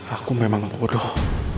aku memang bodoh